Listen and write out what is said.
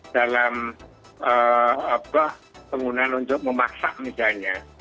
dalam penggunaan untuk memasak misalnya